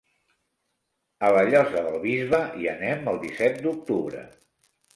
A la Llosa del Bisbe hi anem el disset d'octubre.